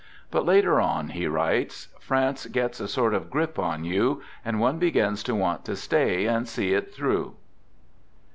But, later on, he writes, " France gets a sort of grip on you, and one begins to want to stay and see it through."